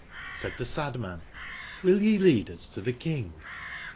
Said the sad man : *'^ill ye lead us to the King?